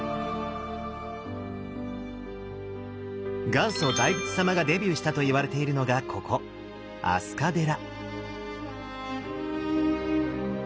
元祖大仏様がデビューしたといわれているのがここ飛鳥寺。